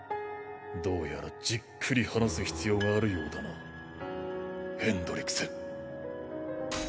どうやらじっくり話す必要があるようだなヘンドリクセン。